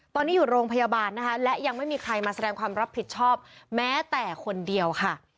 ตอนนี้อยู่โรงพยาบาลนะคะและยังไม่มีใครมาแสดงความรับผิดชอบแม้แต่คนเดียวค่ะ